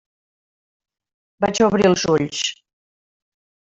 Vaig obrir els ulls.